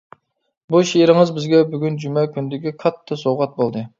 بۇ شېئىرىڭىز بىزگە بۈگۈن جۈمە كۈنىدىكى كاتتا سوۋغات بولدى.